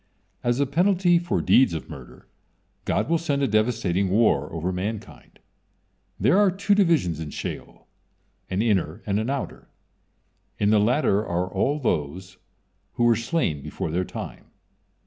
As a penalty for deeds of murder, God will send a devastating war over mankind. There are two divisions in Sheol, an inner and an outer. In the latter are all those who were slain before their time.